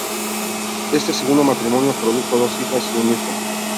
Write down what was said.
Este segundo matrimonio produjo dos hijas y un hijo.